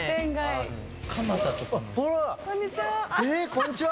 こんにちは。